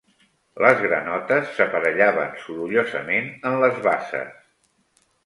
Les granotes s'aparellaven sorollosament en les basses